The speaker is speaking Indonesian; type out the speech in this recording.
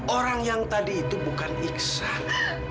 orang yang tadi itu bukan iksan